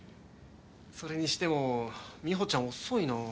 それにしてもみほちゃん遅いなあ。